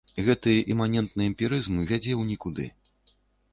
Гэты іманентны эмпірызм вядзе ў нікуды.